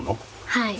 はい。